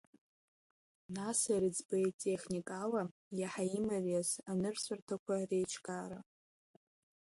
Нас ирыӡбеит техникала иаҳа имариаз анырҵәарҭақәа реиҿкаара.